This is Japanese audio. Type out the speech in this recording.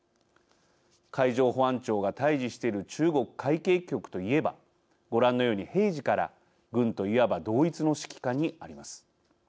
海上保安庁が対じしている中国海警局と言えばご覧のように平時から軍といわば同一の指揮下にあります。